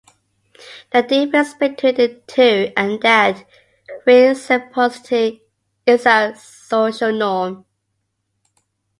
ان دونوں کے درمیان کا فرق اور ان کا باہمی تعلق ہمارے معاشرتی اصولوں